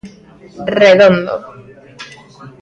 Redondo.